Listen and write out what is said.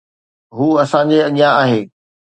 هو اسان جي اڳيان آهي.